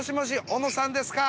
小野さんですか？